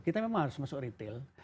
kita memang harus masuk retail